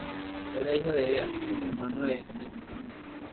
Era hija de Ea, hermano de Enlil.